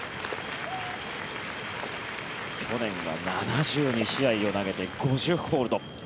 去年は７２試合を投げて５０ホールド。